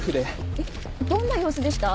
えっどんな様子でした？